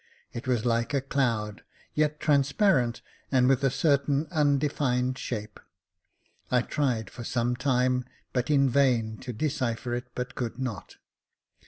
It was like a cloud, yet trans parent, and with a certain undefined shape. I tried for some time, but in vain, to decipher it, but could not.